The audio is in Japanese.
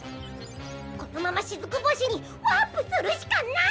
このまましずく星にワープするしかない！